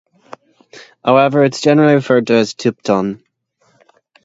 However, it is generally referred to as Tupton.